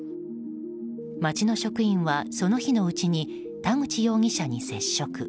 町の職員はその日のうちに田口容疑者に接触。